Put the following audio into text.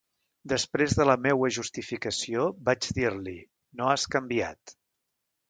Després de la meua justificació, vaig dir-li, no has canviat.